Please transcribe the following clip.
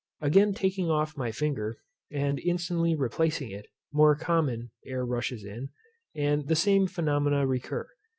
Again taking off my finger, and instantly replacing it, more common, air rushes in, and the same phenomena recur.